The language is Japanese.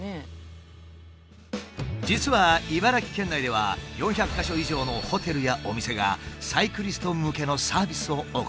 実は茨城県内では４００か所以上のホテルやお店がサイクリスト向けのサービスを行っている。